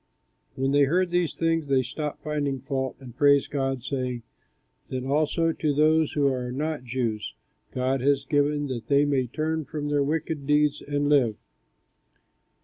When they heard these things, they stopped finding fault, and praised God, saying, "Then also to those who are not Jews, God has given, that they may turn from their wicked deeds and live."